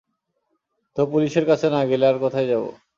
তো, পুলিশের কাছে না গেলে, আর কোথায় যাব?